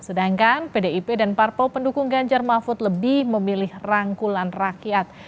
sedangkan pdip dan parpol pendukung ganjar mahfud lebih memilih rangkulan rakyat